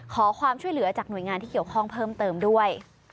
ขอความช่วยเหลือจากหน่วยงานที่เกี่ยวข้องเพิ่มเติมด้วย